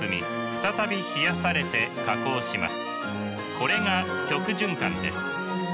これが極循環です。